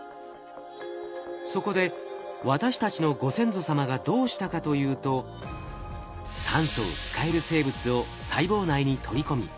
そこで私たちのご先祖様がどうしたかというと酸素を使える生物を細胞内に取り込み